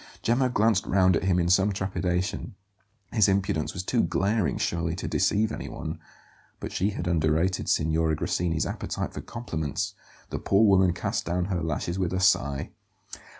Gemma glanced round at him in some trepidation; his impudence was too glaring, surely, to deceive anyone. But she had underrated Signora Grassini's appetite for compliments; the poor woman cast down her lashes with a sigh.